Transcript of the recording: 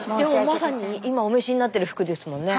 まさに今お召しになってる服ですもんね。